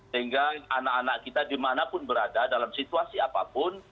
sehingga anak anak kita dimanapun berada dalam situasi apapun